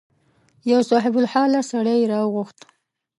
یو صاحب الحاله سړی یې راوغوښت.